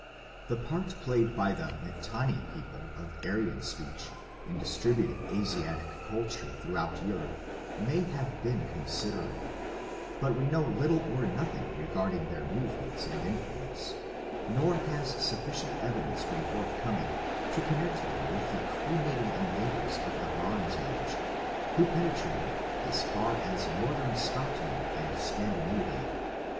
The part played by the Mitanni people of Aryan speech in distributing Asiatic culture throughout Europe may have been considerable, but we know little or nothing regarding their movements and influence, nor has sufficient evidence been forthcoming to connect them with the cremating invaders of the Bronze Age, who penetrated as far as northern Scotland and Scandinavia.